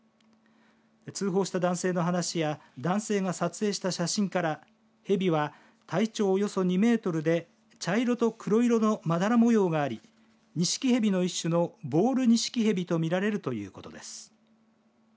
通報した男性の話や男性が撮影した写真から蛇は、体長およそ２メートルで茶色と黒い色のまだら模様がありにしきへびの一種のボールニシキヘビと見られるということです。